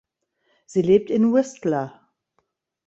Sie lebt in Whistler.